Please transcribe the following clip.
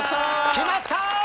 決まった！